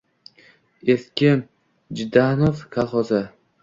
Eski Jdanov kalxozi